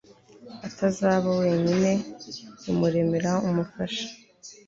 atazaba wenyine, imuremera umufasha